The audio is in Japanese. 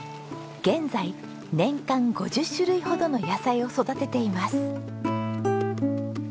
現在年間５０種類ほどの野菜を育てています。